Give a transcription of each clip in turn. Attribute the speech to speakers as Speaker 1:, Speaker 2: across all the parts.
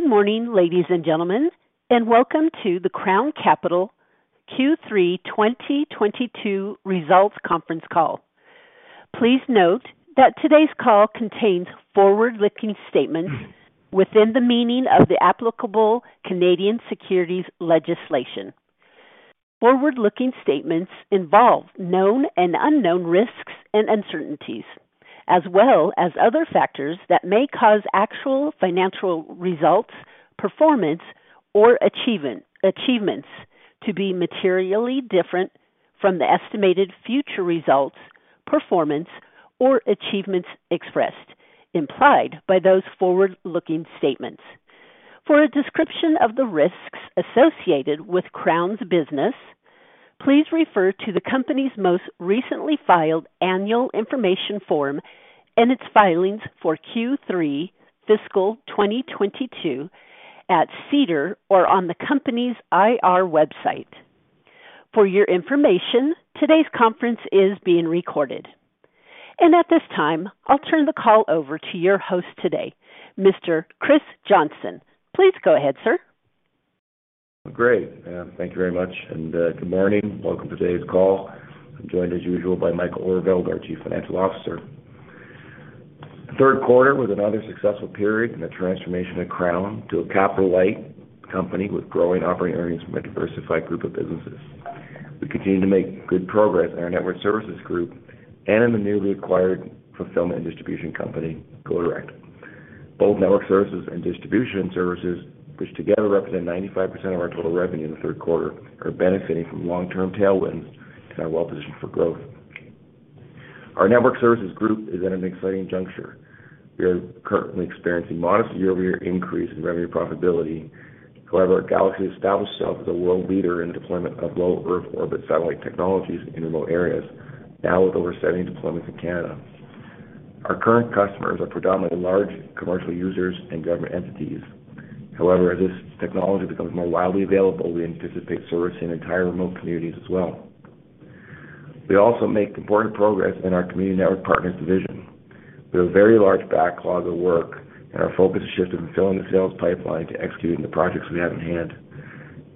Speaker 1: Good morning, ladies and gentlemen, and welcome to the Crown Capital Q3 2022 Results Conference Call. Please note that today's call contains forward-looking statements within the meaning of the applicable Canadian securities legislation. Forward-looking statements involve known and unknown risks and uncertainties, as well as other factors that may cause actual financial results, performance, or achievements to be materially different from the estimated future results, performance, or achievements expressed, implied by those forward-looking statements. For a description of the risks associated with Crown's business, please refer to the company's most recently filed annual information form and its filings for Q3 fiscal 2022 at SEDAR or on the company's IR website. For your information, today's conference is being recorded. At this time, I'll turn the call over to your host today, Mr. Chris Johnson. Please go ahead, sir.
Speaker 2: Great. Thank you very much, and good morning. Welcome to today's call. I'm joined, as usual, by Michael Overvelde, our Chief Financial Officer. Third quarter was another successful period in the transformation of Crown to a capital-light company with growing operating earnings from a diversified group of businesses. We continue to make good progress in our network services group and in the newly acquired fulfillment and distribution company, Go Direct Global. Both network services and distribution services, which together represent 95% of our total revenue in the third quarter, are benefiting from long-term tailwinds and are well-positioned for growth. Our network services group is at an exciting juncture. We are currently experiencing modest year-over-year increase in revenue profitability. However, Galaxy established itself as a world leader in deployment of low Earth orbit satellite technologies in remote areas, now with over 70 deployments in Canada. Our current customers are predominantly large commercial users and government entities. However, as this technology becomes more widely available, we anticipate servicing entire remote communities as well. We also make important progress in our Community Network Partners division. We have a very large backlog of work, and our focus has shifted from filling the sales pipeline to executing the projects we have in hand.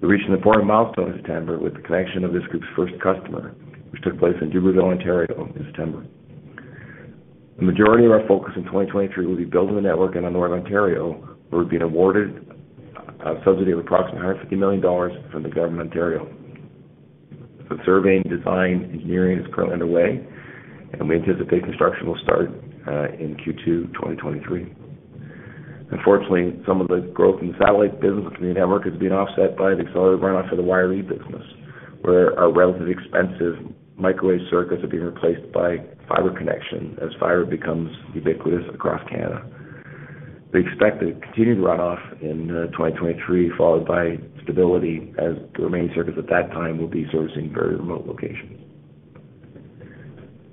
Speaker 2: We reached an important milestone in September with the connection of this group's first customer, which took place in Dubreuilville, Ontario in September. The majority of our focus in 2023 will be building the network in the northern Ontario. We're being awarded a subsidy of approximately 150 million dollars from the government of Ontario. The surveying, design, engineering is currently underway, and we anticipate construction will start in Q2 2023. Unfortunately, some of the growth in the satellite business community network is being offset by the accelerated runoff of the WireIE business, where our relatively expensive microwave circuits are being replaced by fiber connection as fiber becomes ubiquitous across Canada. We expect a continued runoff in 2023, followed by stability as the remaining circuits at that time will be servicing very remote locations.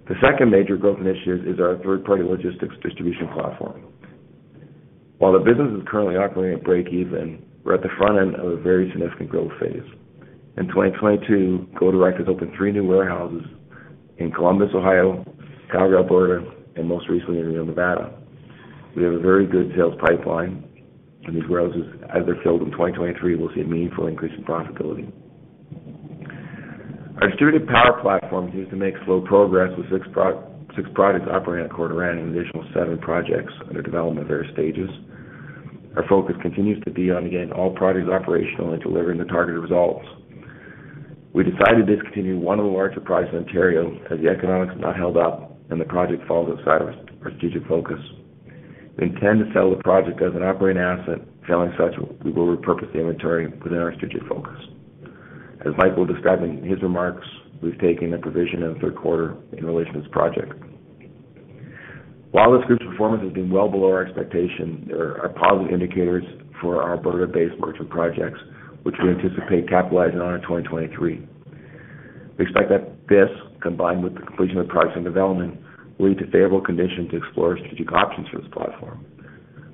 Speaker 2: The second major growth initiative is our third-party logistics distribution platform. While the business is currently operating at breakeven, we're at the front end of a very significant growth phase. In 2022, GoDirect has opened three new warehouses in Columbus, Ohio, Calgary, Alberta, and most recently in Reno, Nevada. We have a very good sales pipeline, and these warehouses, as they're filled in 2023, will see a meaningful increase in profitability. Our distributed power platform continues to make slow progress, with six projects operating in the quarter and an additional seven projects under development at various stages. Our focus continues to be on getting all projects operational and delivering the targeted results. We decided to discontinue one of the larger projects in Ontario as the economics have not held up and the project falls outside of our strategic focus. We intend to sell the project as an operating asset. Failing such, we will repurpose the inventory within our strategic focus. As Mike will describe in his remarks, we've taken a provision in the third quarter in relation to this project. While this group's performance has been well below our expectation, there are positive indicators for our Alberta-based merchant projects, which we anticipate capitalizing on in 2023. We expect that this, combined with the completion of projects in development, will lead to favorable conditions to explore strategic options for this platform.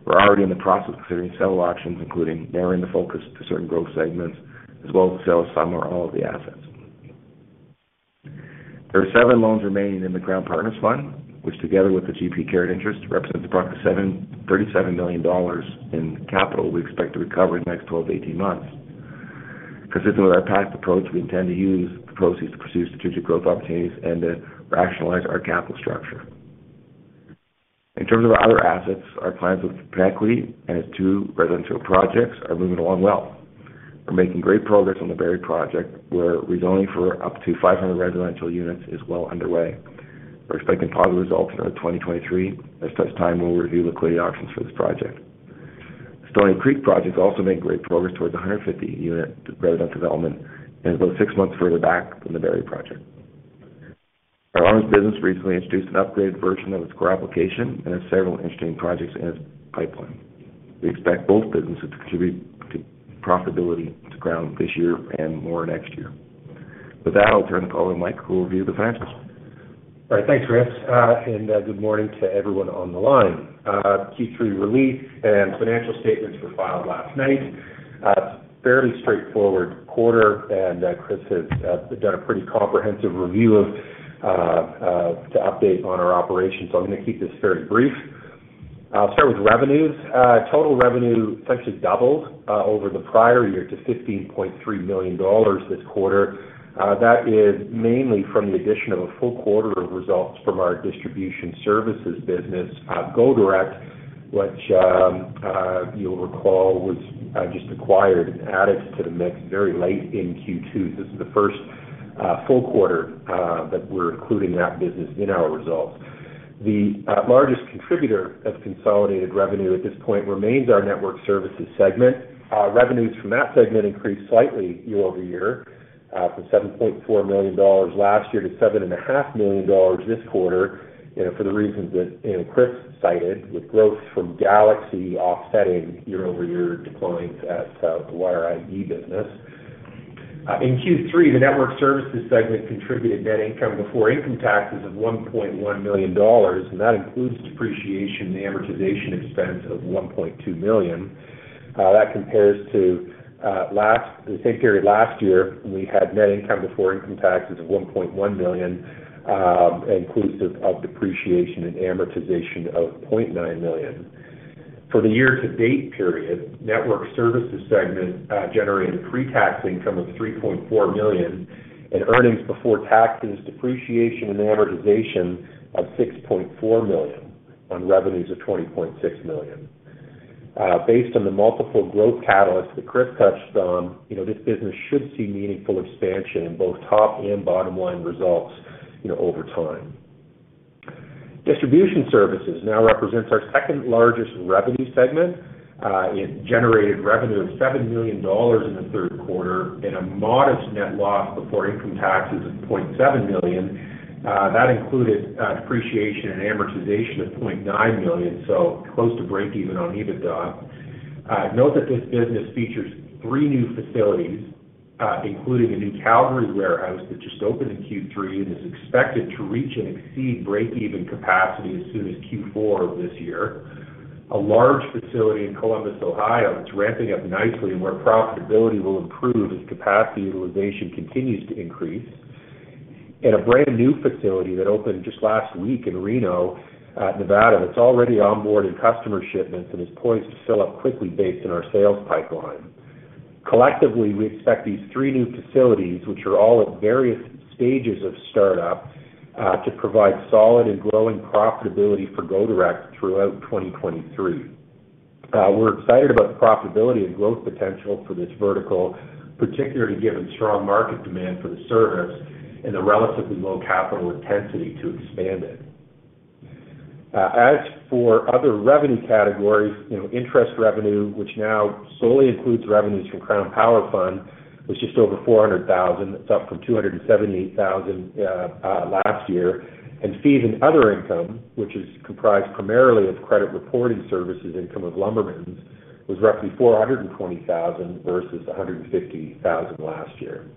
Speaker 2: We're already in the process of considering several options, including narrowing the focus to certain growth segments, as well as the sale of some or all of the assets. There are seven loans remaining in the Crown Partners Fund, which together with the GP carried interest, represents approximately 37 million dollars in capital we expect to recover in the next 12 to 18 months. Consistent with our past approach, we intend to use the proceeds to pursue strategic growth opportunities and to rationalize our capital structure. In terms of our other assets, our plans with Pinnacle and its two residential projects are moving along well. We're making great progress on the Barrie project, where rezoning for up to 500 residential units is well underway. We're expecting positive results in 2023. At such time, we'll review liquidity options for this project. Stoney Creek projects also made great progress towards a 150-unit residential development and is about six months further back than the Barrie project. Our arms business recently introduced an upgraded version of its core application and has several interesting projects in its pipeline. We expect both businesses to contribute to profitability to Crown this year and more next year. With that, I'll turn the call to Mike, who will review the financials.
Speaker 3: All right. Thanks, Chris. Good morning to everyone on the line. Q3 results and financial statements were filed last night. It's a fairly straightforward quarter, and Chris has done a pretty comprehensive review to update on our operations. I'm gonna keep this very brief. I'll start with revenues. Total revenue essentially doubled over the prior year to 15.3 million dollars this quarter. That is mainly from the addition of a full quarter of results from our distribution services business, Go Direct, which you'll recall was just acquired and added to the mix very late in Q2. This is the first full quarter that we're including that business in our results. The largest contributor of consolidated revenue at this point remains our network services segment. Revenues from that segment increased slightly year-over-year from 7.4 million dollars last year to 7.5 million dollars this quarter, you know, for the reasons that, you know, Chris cited, with growth from Galaxy offsetting year-over-year declines at the WireIE business. In Q3, the Network Services segment contributed net income before income taxes of 1.1 million dollars, and that includes depreciation and amortization expense of 1.2 million. That compares to the same period last year when we had net income before income taxes of 1.1 million, inclusive of depreciation and amortization of 0.9 million. For the year-to-date period, Network Services segment generated pre-tax income of 3.4 million and earnings before taxes, depreciation and amortization of 6.4 million on revenues of 20.6 million. Based on the multiple growth catalysts that Chris touched on, you know, this business should see meaningful expansion in both top and bottom line results, you know, over time. Distribution Services now represents our second-largest revenue segment. It generated revenue of $7 million in the third quarter and a modest net loss before income taxes of $0.7 million. That included depreciation and amortization of $0.9 million, so close to breakeven on EBITDA. Note that this business features three new facilities, including a new Calgary warehouse that just opened in Q3 and is expected to reach and exceed breakeven capacity as soon as Q4 of this year. A large facility in Columbus, Ohio, it's ramping up nicely and where profitability will improve as capacity utilization continues to increase. A brand-new facility that opened just last week in Reno, Nevada, that's already onboarded customer shipments and is poised to fill up quickly based on our sales pipeline. Collectively, we expect these three new facilities, which are all at various stages of startup, to provide solid and growing profitability for Go Direct Global throughout 2023. We're excited about the profitability and growth potential for this vertical, particularly given strong market demand for the service and the relatively low capital intensity to expand it. As for other revenue categories, you know, interest revenue, which now solely includes revenues from Crown Capital Power Fund, was just over 400 thousand. That's up from 278 thousand last year. Fees and other income, which is comprised primarily of credit reporting services income of Lumbermen's, was roughly 420 thousand versus 150 thousand last year.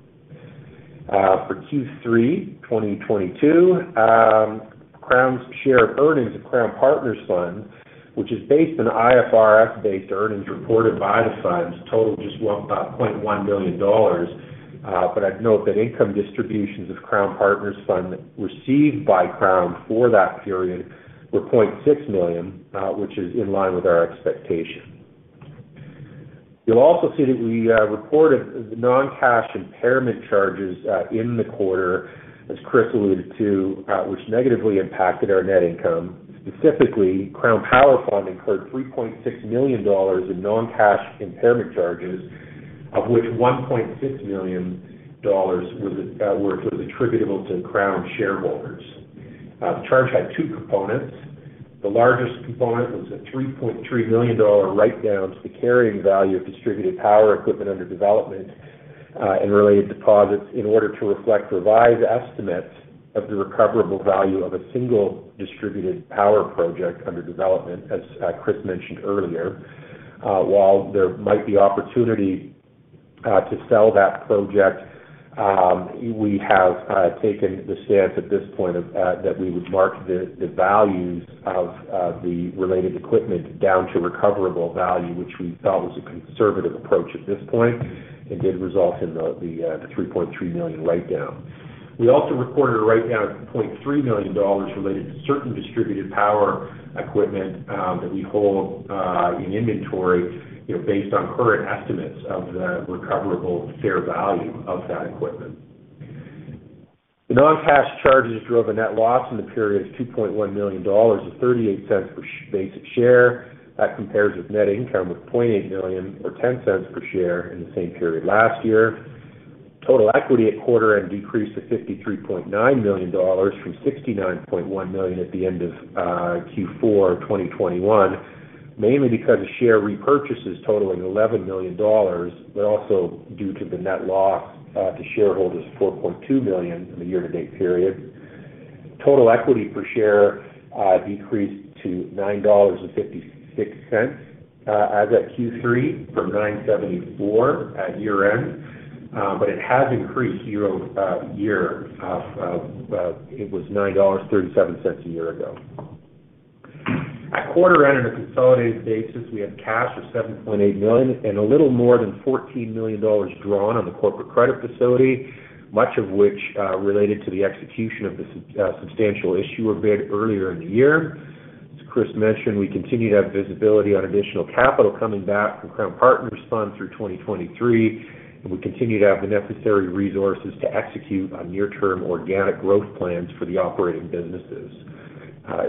Speaker 3: For Q3 2022, Crown's share of earnings of Crown Partners Fund, which is based on IFRS-based earnings reported by the funds, totaled just 0.1 million dollars. I'd note that income distributions of Crown Partners Fund received by Crown for that period were 0.6 million, which is in line with our expectation. You'll also see that we reported the non-cash impairment charges in the quarter, as Chris alluded to, which negatively impacted our net income. Specifically, Crown Capital Power Fund incurred 3.6 million dollars in non-cash impairment charges, of which 1.6 million dollars were sort of attributable to Crown shareholders. The charge had two components. The largest component was a 3.3 million dollar write-down to the carrying value of distributed power equipment under development, and related deposits in order to reflect revised estimates of the recoverable value of a single distributed power project under development, as Chris mentioned earlier. While there might be opportunity to sell that project, we have taken the stance at this point of that we would mark the values of the related equipment down to recoverable value, which we felt was a conservative approach at this point, and did result in the 3.3 million write-down. We also recorded a write-down of 0.3 million dollars related to certain distributed power equipment that we hold in inventory, you know, based on current estimates of the recoverable fair value of that equipment. The non-cash charges drove a net loss in the period of 2.1 million dollars, or 0.38 per basic share. That compares with net income of 0.8 million, or 0.10 per share in the same period last year. Total equity at quarter end decreased to 53.9 million dollars from 69.1 million at the end of Q4 2021, mainly because of share repurchases totaling 11 million dollars, but also due to the net loss to shareholders of 4.2 million in the year to date period. Total equity per share decreased to 9.56 dollars as at Q3 from 9.74 at year-end, but it has increased year over year. It was 9.37 dollars a year ago. At quarter end on a consolidated basis, we had cash of 7.8 million and a little more than 14 million dollars drawn on the corporate credit facility, much of which related to the execution of the substantial issuer bid earlier in the year.
Speaker 2: As Chris mentioned, we continue to have visibility on additional capital coming back from Crown Partners Fund through 2023, and we continue to have the necessary resources to execute on near-term organic growth plans for the operating businesses.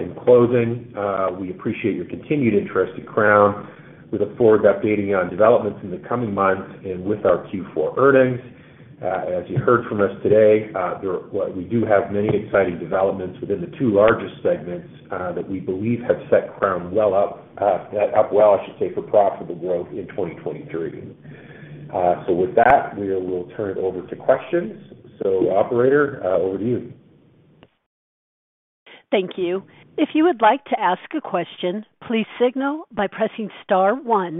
Speaker 2: In closing, we appreciate your continued interest in Crown. We look forward to updating you on developments in the coming months and with our Q4 earnings. As you heard from us today, well, we do have many exciting developments within the two largest segments that we believe have set Crown up well, I should say, for profitable growth in 2023. With that, we will turn it over to questions. Operator, over to you.
Speaker 1: Thank you. If you would like to ask a question, please signal by pressing star one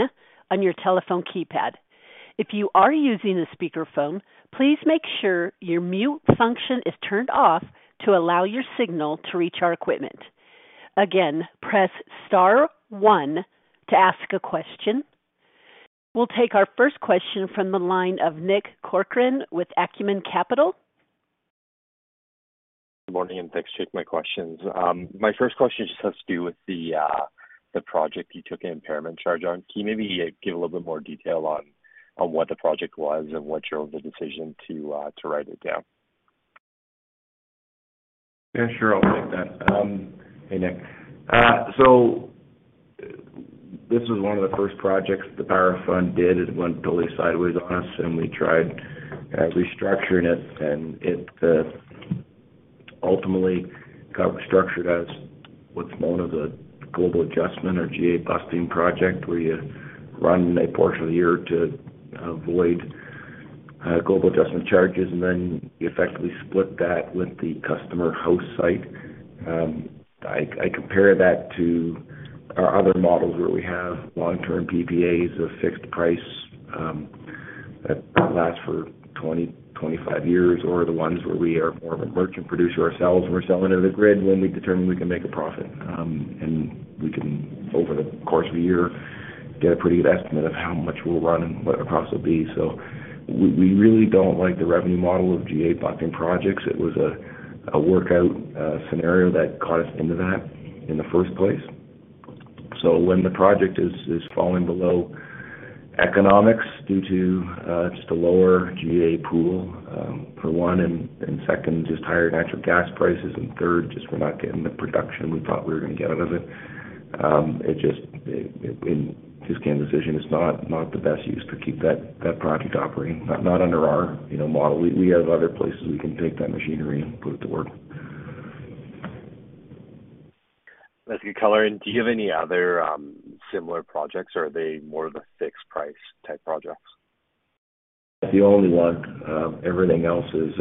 Speaker 1: on your telephone keypad. If you are using a speakerphone, please make sure your mute function is turned off to allow your signal to reach our equipment. Again, press star one to ask a question. We'll take our first question from the line of Nick Corcoran with Acumen Capital.
Speaker 4: Good morning, thanks. Take my questions. My first question just has to do with the project you took an impairment charge on. Can you maybe give a little bit more detail on what the project was and what drove the decision to write it down?
Speaker 2: Yeah, sure. I'll take that. Hey, Nick. This was one of the first projects the Power Fund did. It went totally sideways on us, and we tried restructuring it, and it ultimately got restructured as what's known as a Global Adjustment or GA busting project, where you run a portion of the year to avoid Global Adjustment charges, and then you effectively split that with the customer host site. I compare that to our other models where we have long-term PPAs of fixed price that last for 20, 25 years or the ones where we are more of a merchant producer ourselves and we're selling to the grid when we determine we can make a profit. We can, over the course of a year, get a pretty good estimate of how much we'll run and what our costs will be. We really don't like the revenue model of GA busting projects. It was a workout scenario that got us into that in the first place. When the project is falling below economics due to just a lower GA pool, for one, and second, just higher natural gas prices, and third, just we're not getting the production we thought we were gonna get out of it just in this kind of decision, it's not the best use to keep that project operating, not under our, you know, model. We have other places we can take that machinery and put it to work.
Speaker 4: That's good color. Do you have any other similar projects or are they more of the fixed price type projects?
Speaker 2: The only one. Everything else is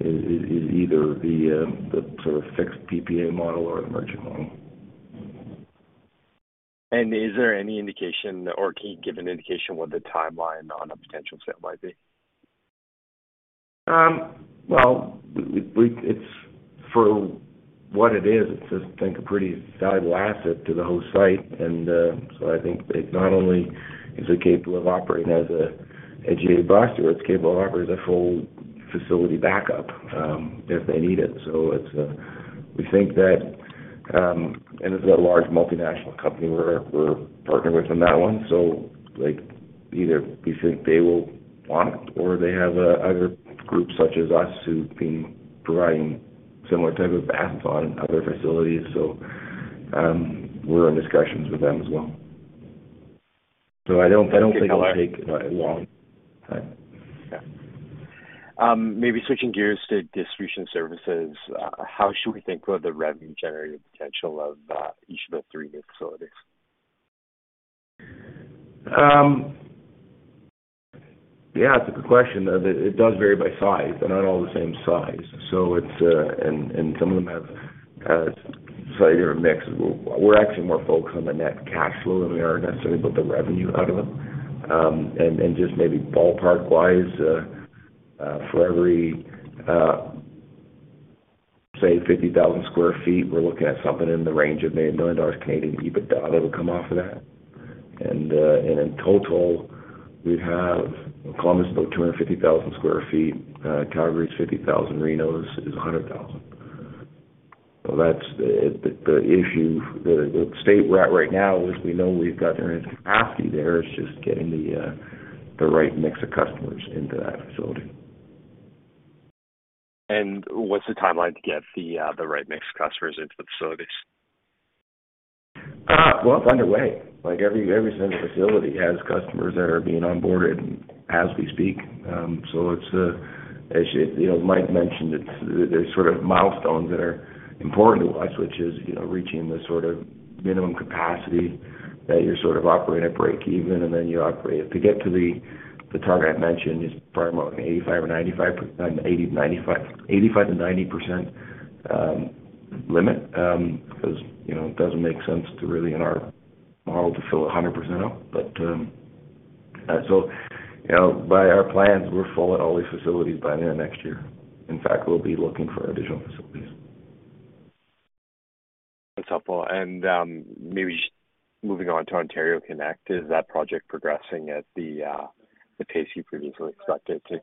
Speaker 2: either the sort of fixed PPA model or the merchant model.
Speaker 4: Is there any indication or can you give an indication what the timeline on a potential sale might be?
Speaker 2: Well, it's for what it is. It's, I think, a pretty valuable asset to the host site. I think it not only is capable of operating as a GA buster, it's capable of operating as a full facility backup, if they need it. We think that it's a large multinational company we're partnered with on that one. Like, either we think they will want it or they have other groups such as us who've been providing similar type of assets on other facilities. We're in discussions with them as well. I don't think it'll take a long time.
Speaker 4: Yeah. Maybe switching gears to Distribution Services, how should we think about the revenue generating potential of each of the three new facilities?
Speaker 2: Yeah, it's a good question. It does vary by size. They're not all the same size. So it's, some of them have a slightly different mix. We're actually more focused on the net cash flow than we are necessarily about the revenue out of them. Just maybe ballpark-wise, for every, say 50,000 sq ft, we're looking at something in the range of maybe 1 million dollars EBITDA that would come off of that. In total, we have Columbus about 250,000 sq ft, Calgary is 50,000, Reno's is 100,000. So that's the issue. The state we're at right now is we know we've got the capacity there. It's just getting the right mix of customers into that facility.
Speaker 4: What's the timeline to get the right mix of customers into the facilities?
Speaker 2: Well, it's underway. Like, every single facility has customers that are being onboarded as we speak. So it's, you know, Mike mentioned, it's the sort of milestones that are important to us, which is, you know, reaching the sort of minimum capacity that you're sort of operating at breakeven, and then you operate. To get to the target I mentioned is probably about 85 to 90%, limit, 'cause, you know, it doesn't make sense to really, in our model, to fill 100% up. You know, by our plans, we're full at all these facilities by the end of next year. In fact, we'll be looking for additional facilities.
Speaker 4: That's helpful. Maybe just moving on to Ontario Connects, is that project progressing at the pace you previously expected to?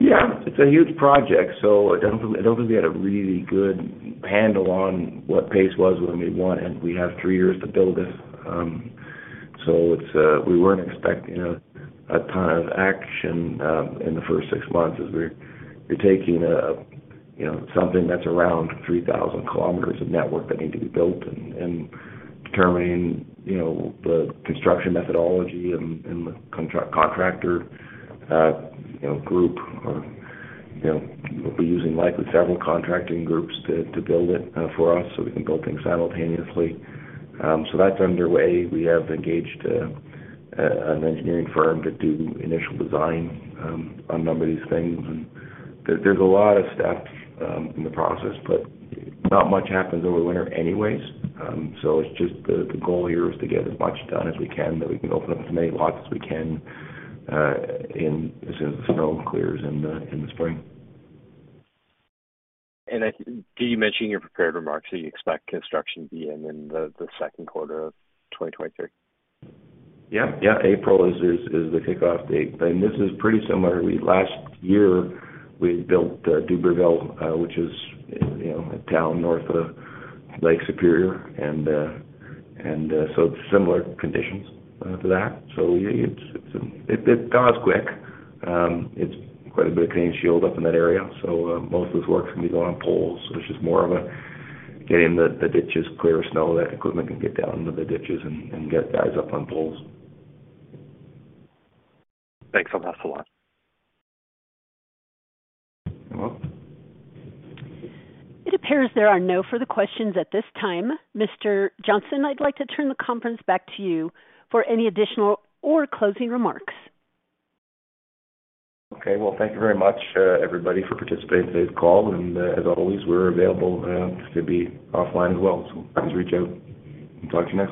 Speaker 2: Yeah, it's a huge project, so I don't think we had a really good handle on what pace was when we won, and we have three years to build it. So it's we weren't expecting a ton of action in the first six months as we're taking you know something that's around 3,000 kilometers of network that need to be built and determining you know the construction methodology and the contractor you know group. Or you know we'll be using likely several contracting groups to build it for us so we can build things simultaneously. So that's underway. We have engaged an engineering firm to do initial design on a number of these things. There's a lot of steps in the process but not much happens over winter anyways. It's just the goal here is to get as much done as we can, that we can open up as many lots as we can, as soon as the snow clears in the spring.
Speaker 4: Did you mention in your prepared remarks that you expect construction to begin in the second quarter of 2023?
Speaker 2: Yeah. April is the kickoff date. This is pretty similar. Last year, we built Dubreuilville, which is, you know, a town north of Lake Superior, and so similar conditions to that. Yeah, it thaws quick. It's quite a bit of Canadian Shield up in that area. Most of this work is gonna be going on poles, which is more of a getting the ditches clear of snow, that equipment can get down into the ditches and get guys up on poles.
Speaker 4: Thanks a lot for that.
Speaker 2: You're welcome.
Speaker 1: It appears there are no further questions at this time. Mr. Johnson, I'd like to turn the conference back to you for any additional or closing remarks.
Speaker 2: Okay. Well, thank you very much, everybody, for participating in today's call, and, as always, we're available to be offline as well. Please reach out and talk to you next time.